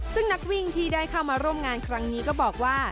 ซึ่งนักวิ่งที่ได้เข้ามาร่วมงานครั้งนี้ก็บอกว่า